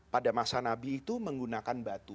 pada masa nabi itu menggunakan batu